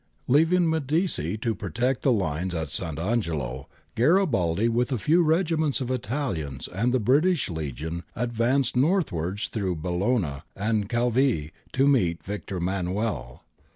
Leaving Medici to protect the lines at Sant' Angelo, Garibaldi with a few regiments of Italians and the British Legion advanced northwards through Bellona and Calvi to meet Victor Emmanuel.